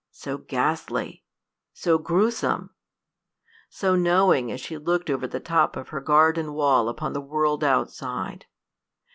so ghastly! so grewsome! so knowing as she looked over the top of her garden wall upon the world outside!